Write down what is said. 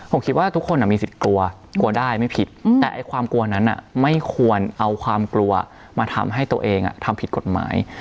ผมคิดว่าทุกคนมีสิทธิ์กลัวกลัวได้ไม่ผิดแต่ความกลัวนั้นไม่ควรเอาความกลัวมาทำให้ตัวเองทำผิดกฎหมาย